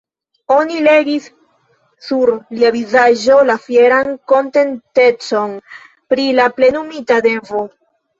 Oni legis sur lia vizaĝo la fieran kontentecon pri la plenumita devo.